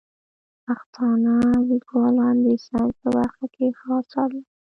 پښتانه لیکوالان د ساینس په برخه کې ښه اثار لري.